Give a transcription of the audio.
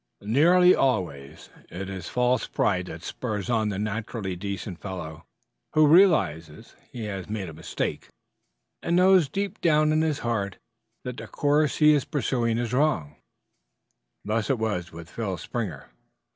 Nearly always it is false pride that spurs on the naturally decent fellow who realizes he has made a mistake and knows deep down in his heart that the course he is pursuing is wrong. Thus it was with Phil Springer.